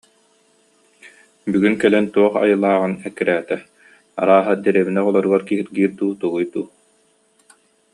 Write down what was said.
«Бүгүн кэлэн туох айылааҕын эккирээтэ, арааһа, дэриэбинэ оҕолоругар киһиргиир дуу, тугуй дуу»